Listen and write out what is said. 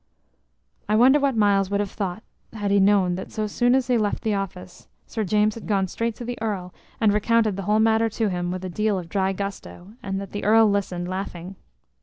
I wonder what Myles would have thought had he known that so soon as he had left the office, Sir James had gone straight to the Earl and recounted the whole matter to him, with a deal of dry gusto, and that the Earl listened laughing.